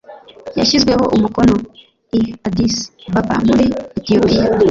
yashyizweho umukono i addis ababa muri etiyopiya